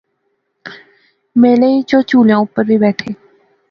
میلے اچ اوہ چُہولیاں اوپر وی بیٹھے